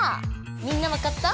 みんなわかった？